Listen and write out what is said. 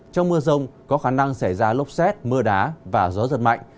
trong mưa rông có khả năng xảy ra lốc xét mưa đá và gió giật mạnh